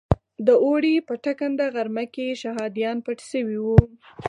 د اوړي په ټکنده غرمه کې شهادیان پټ شوي وو.